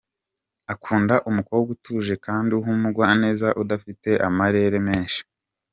Akunda umukobwa utuje kandi w’umugwaneza udafite amarere menshi.